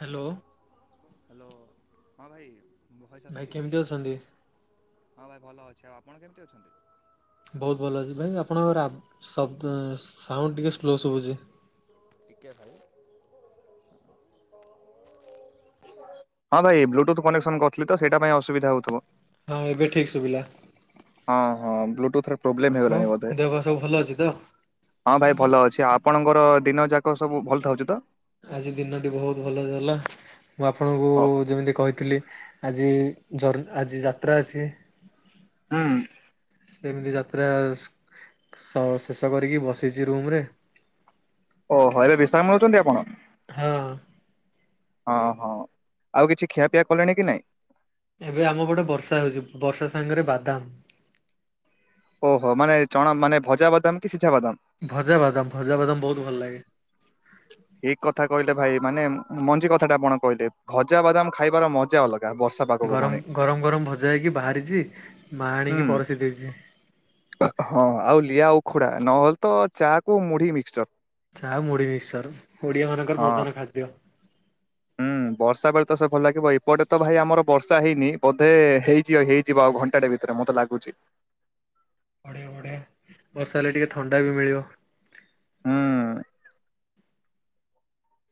Hello. Hello ହଁ ଭାଇ ମୋ ଭଏସ୍ ଆସୁଛି ଭାଇ କେମିତି ଅଛନ୍ତି? ହଁ ଭାଇ ଭଲ ଅଛି। ଆଉ ଆପଣ କେମିତି ଅଛନ୍ତି? ବହୁତ ଭଲ ଅଛି ଭାଇ। ଆପଣଙ୍କର ଆବ୍ ଶବ୍ଦ ସାଉଣ୍ଡ ଟିକେ ଶୁ ଲୋ ସୁଭୁଛି। ହଁ ଭାଇ ବ୍ଲୁଟୁଥ କନେକ୍ସନ କରୁଥିଲି ତ ସେଇଟା ପାଇଁ ଅସୁବିଧା ହଉଥିବ। ହଁ ଏବେ ଠିକ ସୁଭିଲା। ହଁ ହଁ ବ୍ଲୁଟୁଥରେ ପ୍ରୋବେଲେମ୍ ହେଇଗଲାଣି ବୋଧେ। ଦେହ ପା ସବୁ ଭଲ ଅଛି ତ? ହଁ ଭାଇ ଭଲ ଅଛି ଆପଣଙ୍କର ଦିନ ଯାକ ସବୁ ଭଲ ଥାଉଛି ତ। ଆଜି ଦିନଟି ବହୁତ ଭଲ ଗଲା ମୁଁ ଓ ଆପଣଙ୍କୁ-ଉ-ଉ ଯେମିତି କହିଥିଲି ଆଜି ଜର ଆଜି ଯାତ୍ରା ଅଛି। ହୁଁ। ପୁରା ସ-ସ ଶେଷ କରି କି ବସିଛି ରୁମ୍ ରେ। ଓ ହେଲେ ବିଶ୍ରାମ ନୋଉଛନ୍ତି ଆପଣ? ହଁ ହଁ ହଁ ଆଉ କିଛି ଖିଆପିଆ କଲେଣି କି ନାଇଁ? ଏବେ ଆମପଟେ ବର୍ଷା ହେଉଛି ବର୍ଷା ସାଙ୍ଗରେ ବାଦାମ ଓହୋ ମାନେ ଚଣା ମାନେ ଭଜା ବାଦାମ କିଛି ଭଜାବାଦାମ ଭଜାବାଦାମ ବହୁତ ଭଲ ଲାଗେ। ଠିକ କଥା କହିଲେ ଭାଇ ମାନେ ମଞ୍ଜି କଥା ଟା ଆପଣ କହିଲେ ଭଜା ବାଦାମ ଖାଇବାର ମଜା ଅଲଗା। ବର୍ଷା ପାଗକୁ ପୁଣି ଗରମ ଗରମ ଗରମ ଭଜା ହେଇକି ବାହାରିଛି ମା ଆଣିକି ହୁଁ ପରଷି ଦେଇଛି। ଖୋଡ଼ା ନହେଲେ ତ ଚା କୁ ମୁଢି ଆଉ ମିକ୍ସଚର। ଆଉ ମୁଢି ମିକ୍ସଚର ଓଡ଼ିଆ ମାନଙ୍କର ହଁ। ପ୍ରଧାନ ଖାଦ୍ୟ। ହୁଁ ବର୍ଷା ବେଳେ ତ ସେ ଭଲ ଲାଗିବ ଏପଟେ ତ ଭାଇ ଆମର ବର୍ଷା ହେଇନି ବୋଧେ ହେଇଯିବ ହେଇଯିବ ଆଉ ଘଣ୍ଟାଟା ଭିତରେ ମତେ ଲାଗୁଛି। ବଢିଆ ବଢିଆ ବର୍ଷା ହେଲେ ଟିକେ ଥଣ୍ଡା ବି ମିଳିବ। ହୁଁ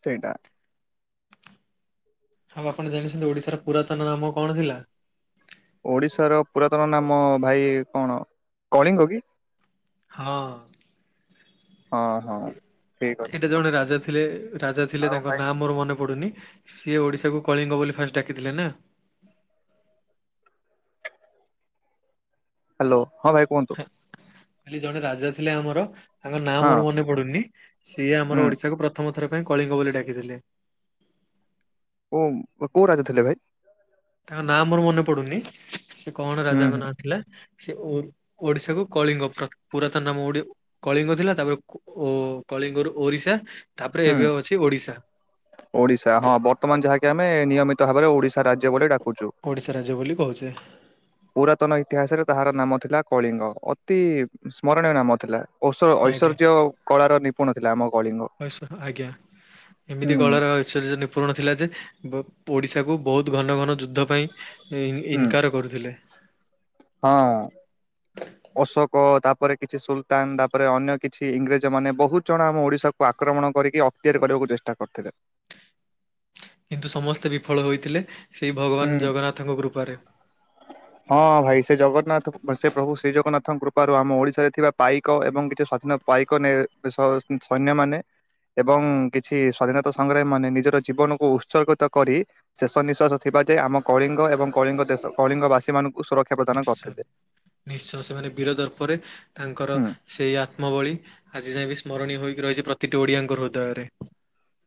ସେଇଟା ଆଉ ଆପଣ ଜାଣିଛନ୍ତି ଓଡିଶାର ପୁରାତନ ନାମ କଣ ଥିଲା? ଓଡିଶାର ପୁରାତନ ନାମ ଭାଇ କଣ କଳିଙ୍ଗ କି? ହଁ ହଁ ହଁ ଠିକ ଅଛି। ଏଇଟା ଜଣେ ରାଜା ଥିଲେ ରାଜା ଥିଲେ ଆଉ ତାଙ୍କ ଭାଇ ନାଁ ମୋର ମନେ ପଡ଼ୁନି ସିଏ ଓଡିଶାକୁ କଳିଙ୍ଗ ବୋଲି ଫାଷ୍ଟ ଡାକିଥିଲେ ନା ହ୍ୟାଲୋ ହଁ ଭାଇ କୁହନ୍ତୁ ଖାଲି ଜଣେ ରାଜା ଥିଲେ ଆମର ତାଙ୍କ ନାଁ ହଁ ମୋର ମନେ ପଡୁନି ସିଏ ଆମର ହୁଁ ଓଡିଶାକୁ ପ୍ରଥମ ଥର ପାଇଁ କଳିଙ୍ଗ ବୋଲି ଡାକିଥିଲେ। ଓ କୋଉ ରାଜା ଥିଲେ ଭାଇ? ତାଙ୍କ ନାଁ ମୋର ମନେ ପଡୁନି। ସେ କଣ ହୁଁ ରାଜାଙ୍କ ହୁଁ। ନାଁ ଥିଲା? ସେ ଓଡିଶାକୁ କଳିଙ୍ଗ ପୁରାତନ ନାମ କଳିଙ୍ଗ ଥିଲା ତାପରେ କଳିଙ୍ଗରୁ ଓରିଶା ତାପରେ ହୁଁ ଏବେ ଅଛି ଓଡିଶା ଓଡିଶା ହଁ ବର୍ତ୍ତମାନ ଯାହାକି ଆମେ ନିୟମିତ ଭାବରେ ଓଡ଼ିଶା ରାଜ୍ୟ ବୋଲି ଡାକୁ। ଓଡ଼ିଶା ରାଜ୍ୟ ବୋଲି କହୁଛେ। ପୁରାତନ ଇତିହାସରେ ତାହାର ନାମ ଥିଲା କଳିଙ୍ଗ ଅତି ସ୍ମରଣୀୟ ନାମ ଥିଲା। ଔଷ ଐଶ୍ଚର୍ଯ୍ୟ କଳାର ନିପୁଣ ଥିଲା ଆମ କଳିଙ୍ଗ। ଐଶ୍ୱ ଆଜ୍ଞା ହୁଁ ଏମିତି କଳାର ଐଶ୍ୱର୍ଯ୍ୟ ନିପୁରୁଣ ଥିଲା ଯେ ଓଡିଶାକୁ ବହୁତ ଘନ ଘନ ଯୁଦ୍ଧ ପାଇଁ ହୁଁ ଇନକାର କରୁଥିଲେ ହଁ ଅଶୋକ ତାପ ତାପରେ କିଛି ସୁଲତାନ ତାପରେ ଅନ୍ୟ କିଛି ଇଂରେଜ ମାନେ ବହୁତ ଜଣ ଆମ ଓଡିଶାକୁ ଆକ୍ରମଣ କରିକି ଅକ୍ତିଆର କରିବାକୁ ଚେଷ୍ଟା କରିଥିଲେ କିନ୍ତୁ ସମସ୍ତେ ବିଫଳ ହୋଇଥିଲେ ସେଇ ଭଗବାନ ହୁଁ ଜଗନ୍ନାଥଙ୍କ କୃପାରେ ହଁ ଭାଇ ସେ ଜଗନ୍ନାଥ ସେ ପ୍ରଭୁ ଶ୍ରୀ ଜଗନ୍ନାଥଙ୍କ କୃା ାରୁ ଆମ ଓଡିଶାରେ ଥିବା ପାଇକ ଏବଂ କିଛି ସ୍ଵାଧୀନ ପାଇକ ସୈନ୍ୟ ମାନେ ଏବଂ କିଛି ସ୍ଵାଧୀନତା ସଂଗ୍ରାମୀ ମାନେ ନିଜର ଜୀବନକୁ ଉତ୍ସର୍ଗିତ କରି ଶେଷ ନିଶାସ ଥିବା ଯୋଏ ଆମ କଳିଙ୍ଗ ଏବଂ କଳିଙ୍ଗ ଦେଶ କଳିଙ୍ଗବାସୀମାନଙ୍କୁ ସୁରକ୍ଷା ପ୍ରଦାନ ନିଶ୍ଚୟ କରିଥିଲେ। ନିଶ୍ଚୟ ସେମାନେ ବିରୋଧର ପରେ ତାଙ୍କର ହୁଁ ସେଇ ଆତ୍ମବଳୀ ଆଜି ଯାଇଏଁ ବି ସ୍ମରଣୀ ହୋଇକି ରହିଛି ପ୍ରତିଟି ଓଡିଆଙ୍କ ହୃଦୟରେ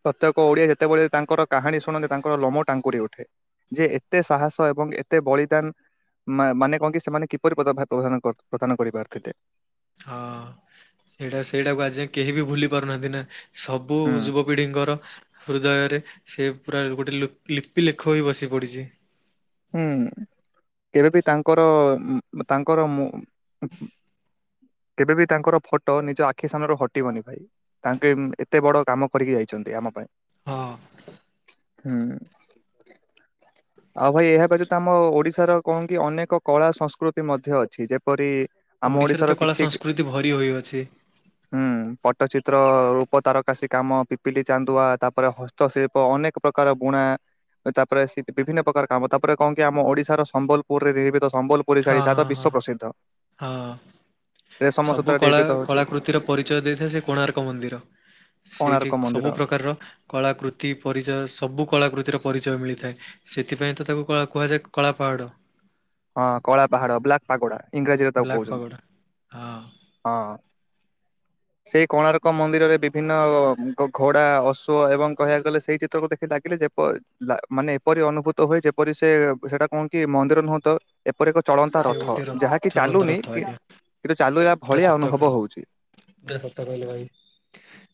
ପ୍ରତ୍ୟେକ ଓଡିଆ ଯେତେବେଳେ ତାଙ୍କର କାହାଣୀ ଶୁଣନ୍ତେ ତାଙ୍କର ଲୋମୋ ଟାଙ୍କୁରି ଉଠେ ଯେ ଏତେ ସାହସ ଏବଂ ଏତେ ବଳିଦାନ ମାନେ କହ କି ସେମାନେ କିପରିଦାନ ପ୍ରଦାନ କରିପାରିଥିଲେ ହଁ ସେଇଟା ସେଇଟାକୁ ଆଜ କେହି ବି ଭୁଲି ପାରୁନାହାନ୍ତି ନା ସବୁ ହୁଁ। ଯୁବପିଢିଙ୍କର ହୃଦୟରେ ସେ ପୁରା ଗୋଟେ ଲିପି ଲେଖ ହୋଇ ବସି ପଡ଼ିଛି ହୁଁ କେବେବ ତାଙ୍କର ତାଙ୍କର କେବେ ବି ତାଙ୍କର ଫଟୋ ନିଜ ଆଖି ସାାନ ର ହଟିବନି ଭାଇ ତାଙ୍କେ ଏତେ ବଡ କାମ କରିକି ଯାଇଛନ୍ତି ଆମ ପାଇଁ ହଁ ହୁଁ ଆଉ ଭାଇ ଏହା ବ୍ୟତୀତ ଆମ ଓଡିଶାର କଣ କି ଅନେକ କଳା ସଂସ୍କୃତି ମଧ୍ୟ ଅଛି ଯେପରି ଆମ ଓଡିଶାରେ ଓଡିଶାର ତ କଳା କିଛି ସଂସ୍କୃତି ଭରି ହୋଇଅଛି ହୁଁ ପଟ୍ଟଚିତ୍ର ରୂପ ତାରକାସ କାମ ପିପିଲି ଚାନ୍ଦୁଆ ତାପରେ ହସ୍ତଶିଳ୍ପ ଅନେକ ପ୍ରକାର ବୁଣା ତାପରେ ବିଭିନ୍ନ ପ୍ରକାର କାମ ତାପରେ କଣ କି ଆମ ଓଡିଶାର ସମ୍ବଲପୁରରେ ରହ ହଁ ହଁ ହଁ ହଁ ରେଶମ ସବୁ ସୂତାରେ କଳା ନିର୍ମିତ ହଉଛି କଳାକୃତିର ପରିଚୟ ଦେଇଥାଏ ସେ କୋଣାର୍କ ମନ୍ଦିର ସେଇଠି କୋଣାର୍କ ମନ୍ଦିର ସବୁ ପ୍ରକାରର କଳାକୃତି ପରିଚୟ ସବୁ କଳାକୃତିର ପରିଚୟ ମିଳିଥାଏ ସେଥିପାଇଁ ତ ତାକୁ କୁହାଯାଏ କଳା ପାହାଡ ହଁ କଳା ପାହାଡ ବ୍ଲାକ୍ ପାଗୋଡା ଇଂରାଜୀରେ ତାକୁ ବ୍ଲାକ୍ କହୁଛନ୍ତି ପାଗୋଡା ହଁ। ହଁ ସେଇ କୋଣାର୍କ ମନ୍ଦିରରେ ବିଭିନ୍ନ ଘୋଡା ଅଶୁ ଏବଂ କହିବାକୁ ଗଲେ ସେଇ ଚିତ୍ରକୁ ଦେଖି ଲାଗିଲେ ଯେ ମାନେ ଏପରି ଅନୁଭୂତ ହୁଏ ଯେପରି ସେ ସେଟା କଣ କି ମନ୍ଦିର ନୁହଁ ତ ଏପରି ଏକ ଚଳନ୍ତା ସେ ରଥ ଗୋଟେ ଯାହାକି ରଥ ଚଳତା ଚାଲୁନି ରଥ କି ଆଜ୍ଞା କିନ୍ତୁ ଚାଲିଲା ପୁରା ଭଳିଆ ସତ ଅନୁଭବ ହଉଛି। କହିଲେ ପୁରା ସତ କହିଲେ ଭାଇ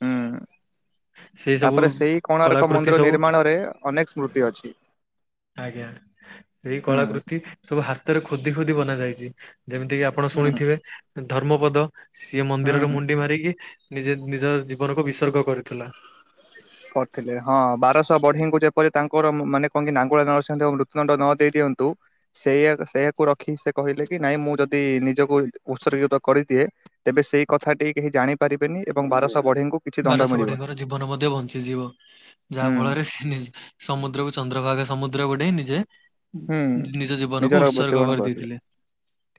ହୁଁ ସେଇ ସବୁ ତାପରେ ସେଇ କୋଣ ରକ କଳାକୃତି ମନ୍ଦିର ସବୁ ନିର୍ମାଣ ରେ ଅନେକ ସ୍ମୃତି ଅଛି ଆଜ୍ଞା ସେଇ ହୁଁ କଳାକୃତି ସବୁ ହାତ ରେ ଖୋଦି ଖୋଦି ବନା ଯାଇଛି ଯେମିତି କିି ଆପଣ ହୁଁ ଶୁଣିଥିବେ କର୍ମପଦ ସିଏ ହୁଁ। ମନ୍ଦିରର ମୁଣ୍ଡି ମାରିକି ନିଜେ ନିଜ ଜୀବନକୁ ବିସର୍ଗ କରୁଥିଲା କରିଥିଲେ ହଁ ବାରଶହ ବଢିଙ୍କୁ ଯେପରି ତାଙ୍କର ମାନେ କଣ କିି ନାଙ୍ଗୁଳାଳସିି ମୃତ୍ୟୁ ଦଣ୍ଡ ନ ଦେଇ ଦିଅନ୍ତୁ ସେ ସେଇଆକୁ ରଖି ସେ କହିଲେ କି ନାଇଁ ମୁଁ ଯଦି ନିଜକୁ ଉତ୍ସର୍ଗିତ କରିଦିଏ ତେବେ ସେଇ କଥା କେହି ଜାଣିପାରିବେନି ଏବଂ ବାରଶହ ବଢିଙ୍କୁ ବାରଶ ବଢେଇଙ୍କର ଜୀବନ ମଧ୍ୟ ବନ୍ ଞ୍ଚିଯିବ ଯାହା ହୁଁ ଫଳରେ ସେ ନିଜେ ସମୁଦ୍ରକୁ ଚନ୍ଦ୍ରଭାଗା ସମୁଦ୍ରକୁ ଡେଇଁ ନିଜେ ହୁଁ ନିଜ ଜୀବନକୁ ନିଜର ଉତ୍ସର୍ଗ ମୃତ୍ୟୁବରଣ କରିଥିଲେ କରିଦେଇଥିଲେ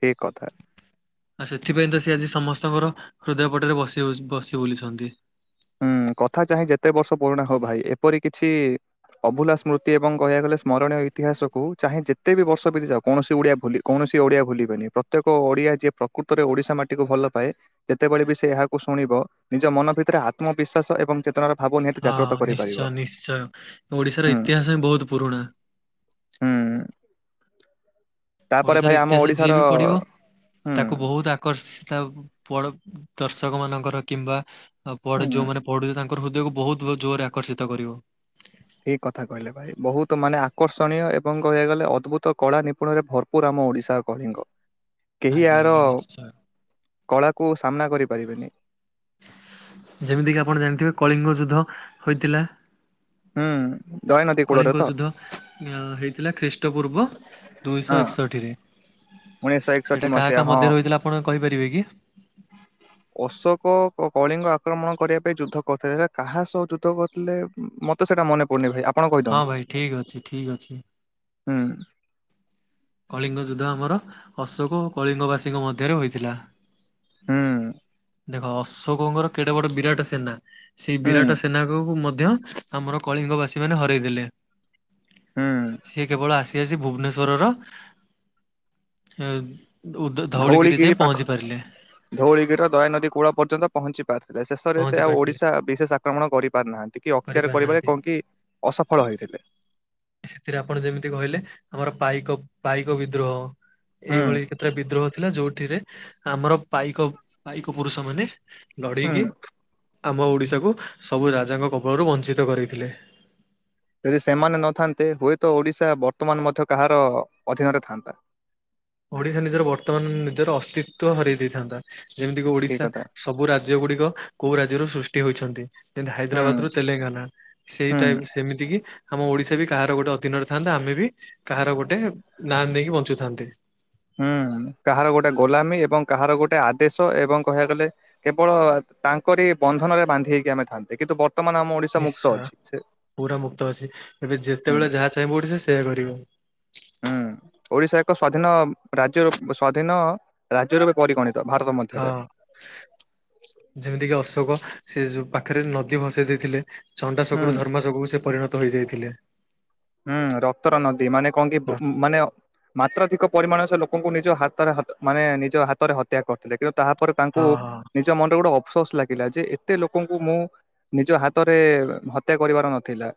ଠିକ କଥା। ସେଥିପାଇଁ ତ ସିଏ ଆଜି ସମସ୍ତଙ୍କର ହୃଦୟ ପଟରେ ବସି ହୋଉ ବସି ବୁଲିଛନ୍ତି। ହୁଁ କଥା ଚାହେଁ ଯେତେ ବର୍ଷ ପୁରୁଣା ହୋଉ ଭାଇ ଏପରି କିଛି ଅଭୁଲା ସ୍ମୃତି ଏବଂ କହିବାକୁ ଗଲେ ସ୍ମରଣୀୟ ଇତିହାସକୁ ଚାହେଁ ଯେତେ ବି ବର୍ଷ ବିତିଯାଉ କୌଣସି ଓଡିଆ ଭୁଲି କୌଣସି ଓଡିଆ ଭୁଲିବେନି ପ୍ରତ୍ୟେକ ଓଡିଆ ଯିଏ ପ୍ରକୃତରେ ଓଡିଶା ମାଟିକୁ ଭଲ ପାଏ ଯେତେବେଳେ ବି ସେ ଏହାକୁ ଶୁଣିବ ନିଜ ମନ ଭିତରେ ହା ଆତ୍ମବିଶ୍ୱାସ ଏବଂ ଚେ ହଁ ନିଶ୍ଚୟ ନିଶ୍ଚୟ ଓଡିଶାର ହୁଁ ଇତିହାସ ହିଁ ବୋହୁତ ପୁରୁଣା। ହୁଁ। ତାପରେ ଓଡିଶାର ଭାଇ ଆମ ଇତିହାସ ଯିଏ ଓଡ଼ିଶାର ବି ପଢିବ ହୁଁ ତାକୁ ବୋହୁତ ଆକର୍ଷି ତା ପଡ ଦର୍ଶକମାନଙ୍କର କିମ୍ବା ଆଉ ପଢ ହୁଁ ଯୋଉମାନେ ପଢୁଚେ ତାନ୍ ତୋର ହୃଦୟକୁ ବୋହୁତ ବୋହୁତ ଜୋରରେ ଆକର୍ଷିତ କରିବ। ଠିକ କଥା କହିଲେ ଭାଇ ବୋହୁତ ମାନେ ଆକର୍ଷଣୀୟ ଏବଂ କହିବାକୁ ଗଲେ ଅଦ୍ଭୁତ କଳା ନିପୁଣରେ ଭରପୁର ଆମ ଓଡିଶା ଆଉ କଳିଙ୍ଗ। କେହି ଆଜ୍ଞା ଏହାର ଆଜ୍ଞା କଳାକୁ ସାମ୍ନା କରି ଯେମିତିକିି ଆପଣ ଜାଣିଥିବେ କଳିଙ୍ଗ ଯୁଦ୍ଧ ହୋଇଥିଲା। ହୁଁ ଦୟନଦୀ କୂଳରେ ତ କଳିଙ୍କ ଯୁଦ୍ଧ ଅଁ ହେଇ ଥିଲା ଖ୍ରୀଷ୍ଟ୍ ଷ୍ଟପୂର୍ବ ଦୁଇଶ ହଁ ଏକଷଠିରେ ଉଣେଇଶହ ଏକଷଠି ସେଇଟା କାହା ମସିହା କାହା ହଁ ମଧ୍ୟରେ ରହିଥିଲା ଆପଣ କହିପାରିବେ କି? ଅଶୋକ କ-କଳିଙ୍କ ଆକ୍ରମଣ କରିବା ପାଇଁ ଯୁଦ୍ଧ କରିଥିଲେ ସେଟା କାହା ସହ ଯୁଦ୍ଧ କରିଥିଲେ ଉଁ ମତେ ସେଇଟା ମନେ ପଡୁନି ଭାଇ ଆପ ହଁ ଭାଇ ଠିକଅଛି ଠିକଅଛି। ହୁଁ। କଳିଙ୍ଗ ଯୁଦ୍ଧ ଆମର ଅଶୋକ ଓ କଳିଙ୍ଗବାସୀଙ୍କ ମଧ୍ୟରେ ହୋଇଥିଲା। ହୁଁ। ଦେଖ ଅଶୋକଙ୍କର କେଡେ ବଡ ବିରାଟ ସେନା ସେଇ ହୁଁ ବିରାଟ ସେନା କୁ ମ ଧ୍ୟ ଆମର କଳିଙ୍ଗ ବାସୀମାନେ ହରାଇ ଦେଲେ। ହୁଁ ସିଏ କେବଳ ଆସିଆସି ଭୁବନେଶ୍ୱରର ହେଉ ଧୋଉଳିଗିରି ପାଖ ଧୋଉଳିଗିରିର ଦୟାନଦୀ କୂଳ ପର୍ଯ୍ୟନ୍ତ ପହଞ୍ଚି ପାରିଥିଲା ଶେଷରେ ପହଞ୍ଚି ସେ ଆଉ ପାରିଥିଲେ ଓଡିଶା ବିଶେଷ ଆକ୍ରମଣ କରିପାରି ନାହାନ୍ତି କି ଅକ୍ତିଆର କରିବାରେ କରିପାରିନାହାନ୍ତି। କଣ କି ଅସଫଳ ହେଇଥିଲେ। ସେଥିରେ ଆପଣ ଯେମିତି କହିଲେ ଆମର ପାଇକ ପାଇକ ବିଦ୍ରୋହ। ହୁଁ ଏଇଭଳି କେତେଟା ବିଦ୍ରୋହ ଥିଲା ଯୋଉ ଏଠିରେ ଆମର ପାଇକ ପାଇକ ପୁରୁଷମାନେ ହୁଁ ଲଢିକିି ଆମ ଓଡ଼ିଶାକୁ ସବୁ ରାଜାଙ୍କ କବଳରୁ ବଂଞ୍ଚିତ କରିଥିଲେ। ଯଦି ସେମାନେ ନଥାନ୍ତେ ହୁଏତ ଓଡିଶା ବର୍ତ୍ତମାନ ମଧ୍ୟ କାହାର ଅଧୀନରେ ଥାଆନ୍ତା। ଓଡିଶା ନିଜର ବର୍ତ୍ତମାନ ନିଜର ଅସ୍ତିତଵ ହରାଇ ଦେଇଥାନ୍ତା। ଯେମିତିକ ଠିକ ଓଡିଶା କଥା ସବୁ ରାଜ୍ୟ ଗୁଡିକ କୋଉ ରାଜ୍ୟରୁ ସୃଷ୍ଟି ହଉଛନ୍ତି [inaudible] ଯେମିତି ହୁଁ ହାଇଦ୍ରାବାଦ ରୁ ତେଲେଙ୍ଗାନା ସେଇ ହୁଁ ଟାଇପ୍ ସେମିତି କି ଆମ ଓଡିଶା ବି କାହାର ଗୋଟେ ଅଧୀନରେଥାନ୍ତତା ଆମେ ବି କାହାର ଗୋଟେ ନା ନେଇକି ବଞ୍ଚୁଥାନ୍ତେ। ହୁଁ କାହାର ଗୋଟେ ଗୋଲାମୀ ଏବଂ କାହାର ଗୋଟେ ଆଦେଶ ଏବଂ କହିବାକୁ ଗଲେ କେବଳ ତାଙ୍କରି ବନ୍ଧନରେ ବାନ୍ଧି ହେଇକି ଆମେ ଥାନ୍ତେ କିନ୍ତୁ ବ ନିଶ୍ଚୟ ପୁରା ମୁକ୍ତ ଅଛି ଏବେ ହୁଁ ଯେତେବେଳେ ଯାହା ଚାହିଁବ ଓଡ଼ିଶା ସେୟା କରିବ। ହୁଁ ଓଡିଶା ଏକ ସ୍ଵାଧୀନ ରାଜ୍ୟ ର ସ୍ଵାଧୀନ ରାଜ୍ୟ ରୂପେ ପରିଗଣିତ ଭାରତ ହଁ ମଧ୍ୟରେ ଯେମିତିକି ଅଶୋକ ସେ ଯୋଉ ପାଖରେ ନଦୀ ଭସେଇ ଦେଇଥିଲେ ଚଣ୍ଡା ହୁଁ ଶକୁରୁ ଧର୍ମ ଶକରୁ ସେ ପରିଣତ ଧୋଇଯାଇଥିଲେ। ହୁଁ ରକ୍ତର ନଦୀ ମାନେ କଣ କି ହଁ ମାନେ ମାତ୍ରାଧିକ ପରିମାଣ ସେ ଲୋକଙ୍କୁ ନିଜ ହାତରେ ମାନେ ନିଜ ହାତରେ ହତ୍ୟା କରିଥିଲେ କିନ୍ତୁ ତାହାପରେ ତାଙ୍କୁ ହଁ ନିଜ ମନରେ ଗୋଟେ ଅଫସୋସ୍ ଲାଗିଲା ଯେ ଏତେ ଲୋକଙ୍କୁ ମୁଁ ନିଜ ହାତରେ ହତ୍ୟା କରିବାର ନଥିଲା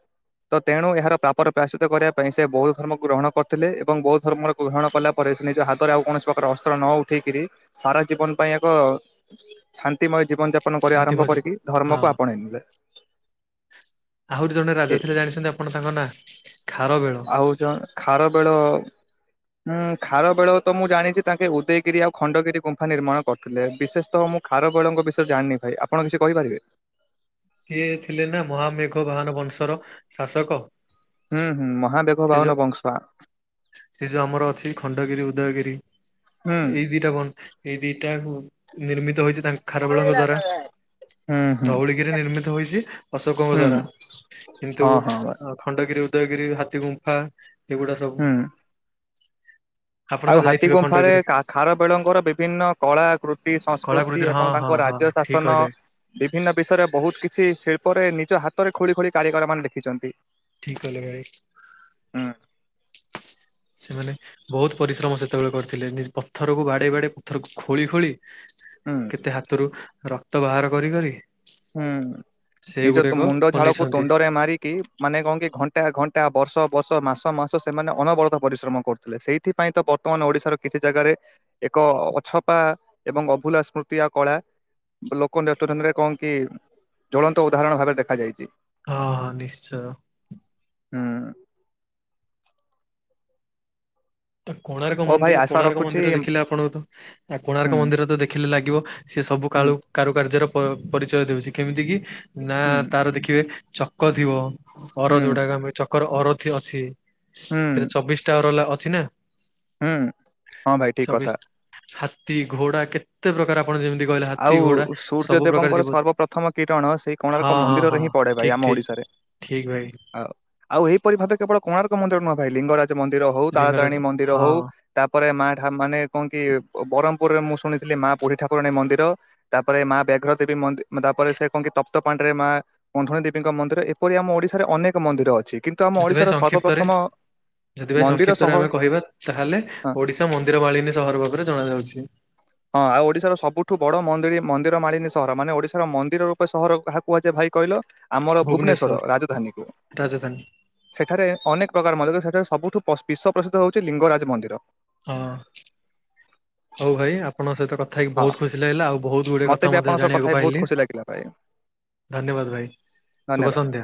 ତ ତେଣୁ ଏହାର ପ୍ରାପର ପ୍ରାୟଶ୍ଚିତ କରିବା ପାଇଁ ସେ ବୌଦ୍ଧ ଧର୍ମକୁ ଗ୍ରହଣ କରିଥିଲେ ଏବଂ ବୌଦ୍ଧ ଧର୍ମକୁ ଗ୍ରହଣ କଲା ପରେ ସେ ନିଜ ହାତରେ ଆଉ କୌଣସି ପ୍ରକାର ଅସ୍ତ୍ର ନ ଉଠେଇକିରି ସାରା ଜୀବନ ପାଇଁ ଏକ ଶାନ୍ତିମୟ ଜୀବନ ଯାପ ଆପଣ କରିବା ଅନ୍ତିମ ଆରମ୍ଭ ଯୁ କରିକି ହଁ ଧର୍ମକୁ ଆପଣେଇ ନେଲେ। ଆହୁରି ଜଣେ ଏ ରାଜା ଥିଲେ ଜାଣିଛନ୍ତି ଆପଣ ତାଙ୍କ ନା ଆଉ ଜଣ ଖାରବେଳ ଉଁ ଖାରବେଳ ତ ମୁଁ ଜାଣିଛି ତାଙ୍କେ ଉଦୟଗିରି ଆଉ ଖଣ୍ଡଗିରି ଗୁମ୍ଫା ନିର୍ମାଣ କରିଥିଲେ ବିଶେଷତଃ ମୁଁ ଖାରବେଳଙ୍କ ବିଷୟରେ ଜାଣିନି ଭାଇ ଆପଣ କିଛି କହିପାରିବେ। ସିଏ ଥିଲେ ନା ମହାମେଘ ବାହାନ ବଂଶର ଶାସକ ହୁଁ ହୁଁ ମହାବେଘ ସେ ଭଉନ ଯୋଉ ବଂଶ ସେ ଯୋଉ ଆମର ଅଛି ଖଣ୍ଡଗିରି ଉଦୟଗିରି ହୁଁ ଏଇ ଦିଇଟା ବନ ଏଇ ଦିଟା ନିର୍ମିତ ହେଇଛି ତାଙ୍କ ଖାରବେଳଙ୍କ ହୁଁ ଦ୍ଵାରା ହୁଁ ଧଉଳି ନିର୍ମିତ ହେଛି ଅଶୋକଙ୍କ ହୁଁ ଦ୍ଵାରା କିନ୍ତୁ ହଁ ହଁ ଭାଇ ଖଣ୍ଡଗି ଗିରି ଉଦୟଗିରି ହାତୀ ଗୁମ୍ଫା ସେଗୁଡା ସବୁ ହୁଁ। ଆପଣ ତ ଆଉ ହାତୀ ଯାଇଥିବେ ଗୁମ୍ଫାରେ ଖଣ୍ଡଗିରି ଖାରବେେଳଙ୍କର ବିଭିନ୍ନ କଳା କୃତି ସଂସ୍କୃତି କଳାକୃତିର ହଁ ଏବଂ ହଁ ତାଙ୍କ ହଁ ରାଜ୍ୟ ଠିକ ଶାସନ କହିଲେ ବିଭିନ୍ନ ବିଷୟରେ ବହୁତ କିଛି ଶିଳ୍ପରେ ନିଜ ହାତରେ ଖୋଳି ଖୋଳି କାରିଗର ମାନେ ଲେଖିଛନ୍ତି ଠିକ କଲେ ଭାଇ, ହୁଁ ସେମାନେ ବହୁତ ପରିଶ୍ରମ ସେତେବେଳେ କରିଥିଲେ ପଥରକୁ ବାଡେଇ ବାଡେଇ ପଥରକୁ ଖୋଳି ଖୋଳି ହୁଁ କେତେ ହାତରୁ ରକ୍ତ ବାହାର କରି କରି ହୁଁ। ନିଜ ତୁ ସେଇଗୁଡାକ ମୁଣ୍ଡ ଝାଳକୁ ବନେଇଛନ୍ତି ତୁଣ୍ଡରେ ମାରିକି ମାନେ କଣ କି ଘଣ୍ଟ ଘଣ୍ଟା ଘଣ୍ଟା ବର୍ଷ ବର୍ଷ ମାସ ମାସ ସେମାନେ ଅନବରତ ପରିଶ୍ରମ କରୁଥିଲେ ସେଇଥିପାଇଁ ତ ବର୍ତ୍ତମାନ ଓଡିଶାର କିଛି ଜାଗାରେ ଏକ ଅ ଅଛପା ଏବଂ ଅଭୁଲା ସ୍ମୃତି କଳା ଲୋକ [unintelligible] ରେ କଣ କି ଜଳନ୍ତ ଉଦାହରଣ ଭାବେ ଦେଖାଯାଇଛି। ହଁ ହଁ ନିଶ୍ଚୟ। ହୁଁ। କୋଣାର୍କ ହଉ ଭାଇ ମନ୍ଦିର ଆଶା କୋଣାର୍କ ରଖୁଛି ମନ୍ଦିର ଦେଖିଲେ ଆପଣଙ୍କୁ ତ ହୁଁ କୋଣାର୍କ ମନ୍ଦିର ତ ଦେଖିଲେ ଲାଗିବ ସେ ସବୁ ହୁଁ। କାଳୁ କାରୁକାର୍ଯ୍ୟର ପ ପରିଚୟ ଦଉଛି କେମିତି କି? ନା ହୁଁ ତାର ଦେଖିବେ ଚକ ଥିବ। ଅର [unintelligible] ଚକ ହୁଁ ତାଙ୍କର ଅରଥି ଅଛି। ସେଥିରେ ହୁଁ ଚବିଶଟା ଅରଲା ଅ ଅଛି ନା। ହୁଁ ହଁ ଭାଇ ଠିକ କଥା। ତି ଘୋଡା କେତେ ପ୍ରକାର ଆପଣ ଯେମିତି କହିଲେ ହାତୀ ଆଉ ଘୋଡା ସବୁ ପ୍ରକାର ସୂର୍ଯ୍ୟଦେବଙ୍କର ଜୀବ ସର୍ବପ୍ରଥମ କିରଣ ସେଇ ହଁ କୋଣାର୍କ ହଁ ମନ୍ଦିରରେ ହଁ ହିଁ ପଡେ ଭାଇ ଠିକ ଆମ ଠିକ ଓଡିଶାରେ ଠିକ ଭାଇ ଆ ଆଉ ଏହିଇପରି ଭାବେ କେବଳ କୋର୍ଣକ ମନ୍ଦିର ନୁହଁ ଭାଇ ଲିଙ୍ଗରାଜ। ମନ୍ଦିର ହଉ ଲିଙ୍ଗରାଜ ତାରତାରିଣୀ ମନ୍ଦିର ହଁ ହଉ ତାପରେ ମା ଏହା ମାନେ କଣ କି ବ୍ରହ୍ମପୁରରେ ମୁ ଶୁଣିଥିଲି ମା ବୁଢୀ ଠାକୁରାଣୀ ମନ୍ଦିର ତାପରେ ମା ବ୍ୟାଘ୍ର ଦେବୀ ମି ତାପରେ ସେ କହନ୍ତି ତପ୍ତ ପାଣ୍ଡରେ ମା କଧଣୀ ଦେବୀଙ୍କ ମନ୍ଦିର ଏପରି ଆମ ଓଡିଶାରେ ଅନେକ ମନ୍ଦିର ଅଛି। କିନ୍ତୁ ଆମ ସେଥିପାଇଁ ଓଡିଶାର ସଂକ୍ଷିପ୍ତରେ ସର୍ବପ୍ରଥମ ସେଥିପାଇ ମନ୍ଦିର ସହ ସଂକ୍ଷିପ୍ତରେ ଆମେ କହିବା ତାହେଲେ ହଁ ଓଡିଶା ମନ୍ଦିର ମାଳିନୀ ସହର ଭାବରେ ଜଣା ଯାଉଛି। ହଁ ଆଉ ଓଡିଶାର ସବୁଠୁ ବଡ ମ ମନ୍ଦିର ମାଳିନୀ ସହର ମାନେ ଓଡିଶାର ମନ୍ଦିର ରୂପେ ସହର କାହା କୁହାଯଏ ଭାଇ କହିଲ? ଆମର ଭୁବନେଶ୍ୱର ରାଜଧାନୀକୁ ରାଜଧାନୀ ସେଠାରେ ଅନେକ ପ୍ରକାର ମଧ୍ୟ ସେଠାରେ ସବୁଠୁ ପ ବିଶ୍ୱ ପ୍ରସିଦ୍ଧ ହଉଛି ଲିଙ୍ଗରାଜ ମନ୍ଦିର। ହଁ ହଉ ଭାଇ ଆପଣଙ୍କ ସହିତ କ ଭାଇ ହଁ ବହୁତ ଖୁସି ଲାଗିଲା ଆଉ ବହୁତ ଗୁଡିଏ ମତେ କଥା ବି ମଧ୍ୟ ଆପଣଙ୍କ ସହ କଥା ଜାଣିବାକୁ ହେଇ ବହୁତ ପାଇଲି ଖୁସି ଲାଗିଲା ଭାଇ ଧନ୍ୟବାଦ ଭାଇ ଶୁଭ ଧନ୍ୟବାଦ। ସନ୍ଧ୍ୟା।